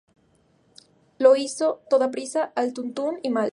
Lo hizo todo deprisa, al tuntún y mal